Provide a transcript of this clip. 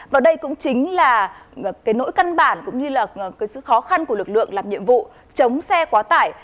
và đây cũng chính là cái nỗi căn bản cũng như là cái sự khó khăn của lực lượng làm nhiệm vụ chống xe quá tải